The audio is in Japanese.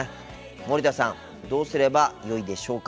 森田さんどうすればよいでしょうか。